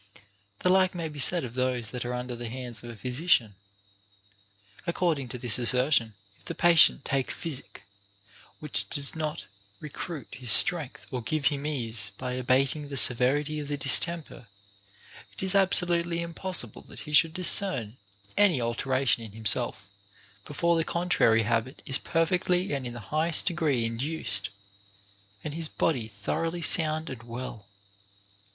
The like may be said of those that are under the hands of a physician. According to this assertion, if the patient take physic which does not recruit his strength or give him ease by abating the severity of the distemper, it is absolutely impossible that he should discern any alteration in himself, before the contrary habit is perfectly and in the highest degree induced, and his body thoroughly sound and well.